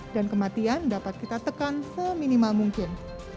dan kematian dapat kita tekan seminimal mungkin